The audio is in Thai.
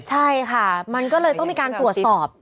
ใช่ค่ะมันก็เลยต้องมีการตรวจสอบ